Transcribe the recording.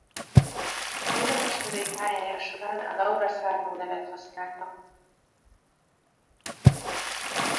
Énekesnői pályája során a Laura Sarno nevet használta.